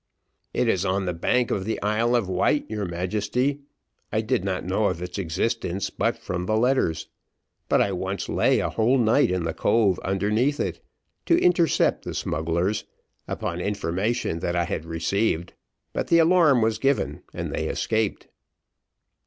"It is on the bank of the Isle of Wight, your Majesty. I did not know of its existence, but from the letters but I once laid a whole night in the cove underneath it, to intercept the smugglers, upon information that I had received, but the alarm was given, and they escaped."